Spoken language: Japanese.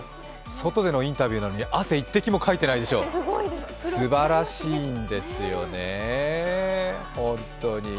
外でのインタビューなのに、汗一滴もかいてないでしょう、すばらしいんですよね、ホントに。